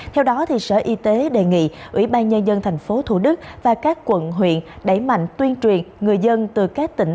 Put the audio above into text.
theo đó sở y tế đề nghị ủy ban nhân dân tp thủ đức và các quận huyện đẩy mạnh tuyên truyền người dân từ các tỉnh